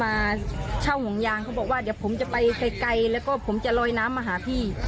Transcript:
มาเช่าห่วงยางเขาบอกว่าเดี๋ยวผมจะไปไกลแล้วก็ผมจะลอยน้ำมาหาพี่